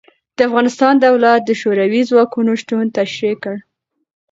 د افغانستان دولت د شوروي ځواکونو شتون تشرېح کړ.